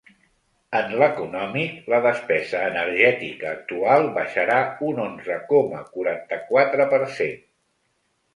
En l’econòmic, la despesa energètica actual baixarà un onze coma quaranta-quatre per cent.